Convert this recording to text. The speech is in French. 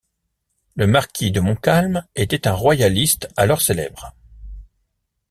Le marquis de Montcalm était un royaliste alors célèbre.